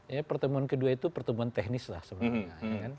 ya pertemuan kedua itu pertemuan teknis lah sebenarnya